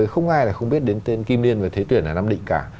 không ai là không biết đến tên kim liên và thế tuyển ở nam định cả